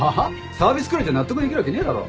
サービスくらいじゃ納得できるわけねえだろ。